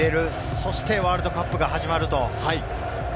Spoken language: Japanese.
そしてワールドカップが始まると。